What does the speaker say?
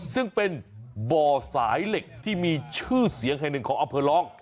ซึ่งเป็นบ่อสายเหล็กที่มีชื่อเสียงแห่งหนึ่งของอำเภอร้อง